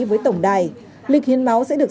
với tổng đài lịch hiên máu sẽ được